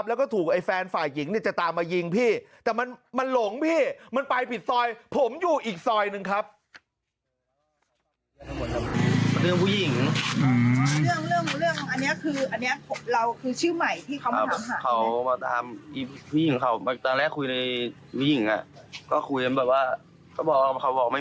แล้วหลานหลานคุณพี่เนี่ยกับผู้ก่อเหตุเนี่ยเคยมีปัญหาทะเลาวิบาลมั้ย